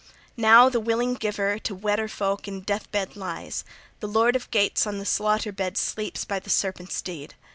"Now the willing giver to Weder folk in death bed lies; the Lord of Geats on the slaughter bed sleeps by the serpent's deed!